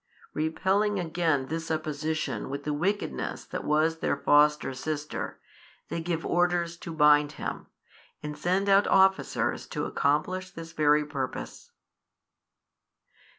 repelling again this supposition with the wickedness that was their foster sister, they give orders to bind Him, and send out officers to accomplish this very purpose.